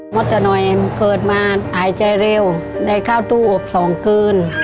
มดตะหน่อยเกิดมาหายใจเร็วได้เข้าตู้อบสองคืน